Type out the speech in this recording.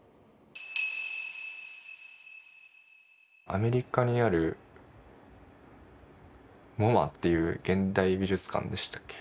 アメリカにある「ＭｏＭＡ」っていう現代美術館でしたっけ？